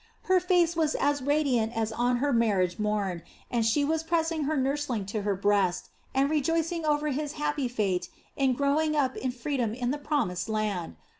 Her face was as radiant as on her marriage morn, and she was pressing her nursling to her breast, and rejoicing over his happy fate in growing up in freedom in the Promised Land.